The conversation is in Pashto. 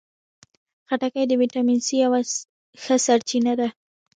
خټکی د ویټامین سي یوه ښه سرچینه ده.